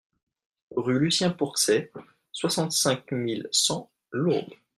Rue Lucien Pourxet, soixante-cinq mille cent Lourdes